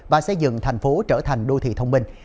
và xây dựng thành phố trở thành đô thị thông minh